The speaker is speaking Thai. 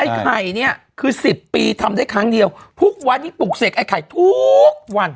ไข่เนี่ยคือสิบปีทำได้ครั้งเดียวทุกวันนี้ปลูกเสกไอ้ไข่ทุกวัน